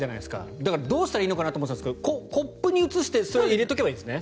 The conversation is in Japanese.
だからどうしたらいいかと思っていたんですけどコップに移してそれを入れておけばいいんですね。